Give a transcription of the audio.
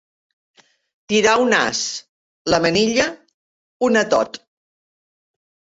Tirar un as, la manilla, un atot.